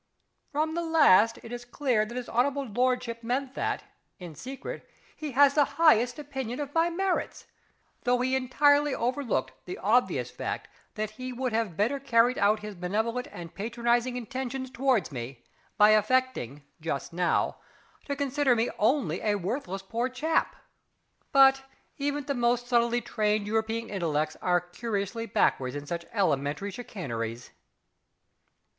From the last it is clear that his hon'ble lordship meant that, in secret, he has the highest opinion of my merits, though he entirely overlooked the obvious fact that he would have better carried out his benevolent and patronising intentions towards me by affecting (just now) to consider me only a worthless poor chap. But even the most subtly trained European intellects are curiously backward in such elementary chicaneries!